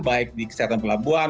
baik di kesehatan pelabuhan